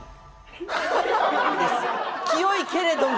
清いけれども。